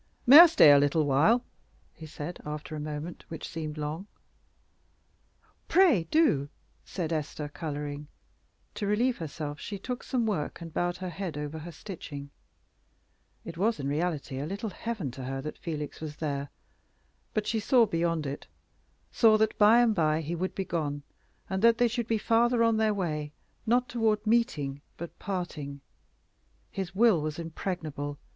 "May I stay here a little while?" he said, after a moment, which seemed long. "Pray do," said Esther, coloring. To relieve herself she took some work and bowed her head over her stitching. It was in reality a little heaven to her that Felix was there, but she saw beyond it saw that by and by he would be gone, and that they should be farther on their way, not toward meeting, but parting. His will was impregnable.